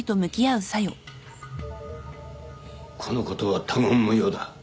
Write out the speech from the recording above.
このことは他言無用だ